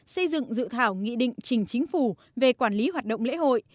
xây dựng dự thảo nghị định trình chính phủ về quản lý hoạt động lễ hội